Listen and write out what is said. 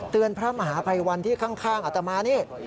พระมหาภัยวันที่ข้างอัตมานี่